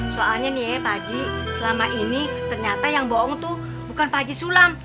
soalnya nih pagi selama ini ternyata yang bohong tuh bukan pak haji sulam